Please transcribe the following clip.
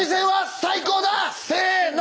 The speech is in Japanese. せの。